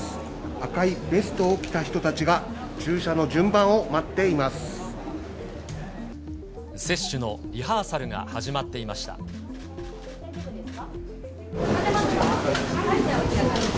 赤いベストを着た人たちが、接種のリハーサルが始まって立てますか？